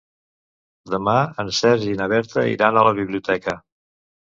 Demà en Sergi i na Berta iran a la biblioteca.